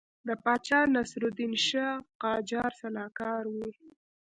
د پاچا ناصرالدین شاه قاجار سلاکار وو.